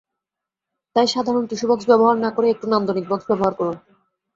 তাই সাধারণ tissue box ব্যবহার না করে একটু নান্দনিক বাক্স ব্যবহার করুন।